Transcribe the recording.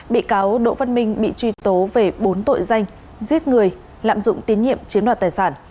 bị cáo đỗ văn minh bị truy tố về bốn tội danh giết người lạm dụng tín nhiệm chiếm đoạt tài sản